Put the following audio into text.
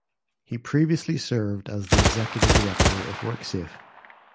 He previously served as the executive director of Worksafe.